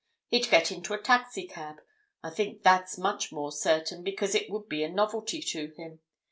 He'd get into a taxi cab—I think that's much more certain, because it would be a novelty to him.